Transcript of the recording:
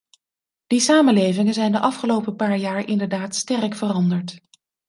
Die samenlevingen zijn de afgelopen paar jaar inderdaad sterk veranderd.